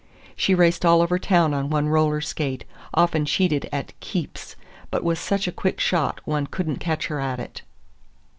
She raced all over town on one roller skate, often cheated at "keeps," but was such a quick shot one could n't catch her at it.